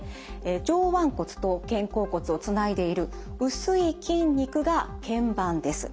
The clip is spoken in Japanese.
上腕骨と肩甲骨をつないでいる薄い筋肉がけん板です。